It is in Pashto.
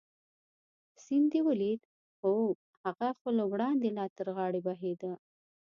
سیند دې ولید؟ هو، هغه خو له وړاندې لا تر غاړې بهېده.